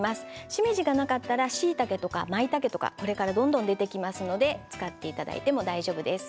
しめじはなかったらしいたけとか、まいたけとかこれからどんどん出てきますので使っていただいても大丈夫です。